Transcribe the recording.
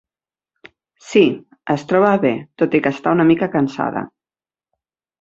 Sí, es troba bé tot i que està una mica cansada.